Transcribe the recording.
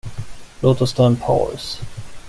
Låt oss ta en paus.